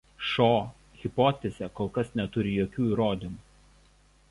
Šo hipotezė kol kas neturi jokių įrodymų.